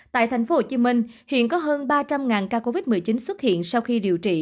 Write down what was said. tại tp hcm hiện có hơn ba trăm linh ca covid một mươi chín xuất hiện sau khi điều trị